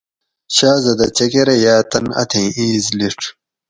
شازدہ چکرہ یاۤ تن اتھیں اِیس لِڄ